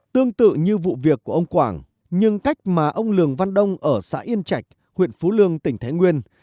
tương tự như vụ việc của ông quảng nhưng cách mà ông lường văn đông ở xã yên chạch huyện phú lương tỉnh thái nguyên